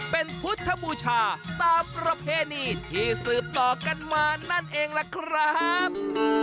เป็นพุทธบูชาตามประเพณีที่สืบต่อกันมานั่นเองล่ะครับ